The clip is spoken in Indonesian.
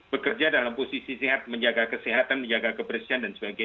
bekerja dalam posisi sehat dan juga dihapuskan dengan kemampuan yang kita lakukan untuk menjaga kemampuan ini